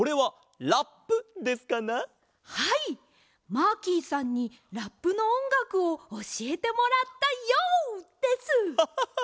マーキーさんにラップのおんがくをおしえてもらったＹＯ！です！ハハハ！